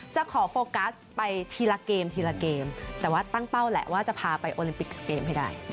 จะขอโฟกัสไปทีละเกมทีละเกมแต่ว่าตั้งเป้าแหละว่าจะพาไปโอลิมปิกเกมให้ได้